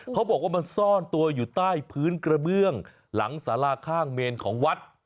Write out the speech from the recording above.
เขาบอกว่ามันซ่อนตัวอยู่ใต้พื้นกระเบื้องหลังสาราข้างเมนของวัด